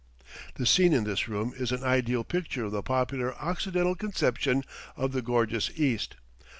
The scene in this room is an ideal picture of the popular occidental conception of the "gorgeous East."